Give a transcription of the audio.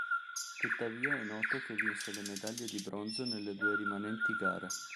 Tuttavia è noto che vinse le medaglie di bronzo nelle due rimanenti gare.